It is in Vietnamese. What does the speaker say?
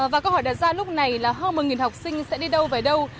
và câu hỏi đặt ra lúc này là hơn một học sinh sẽ đi đâu về đâu